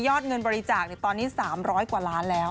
เงินบริจาคตอนนี้๓๐๐กว่าล้านแล้ว